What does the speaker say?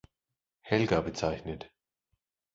Helga bezeichnet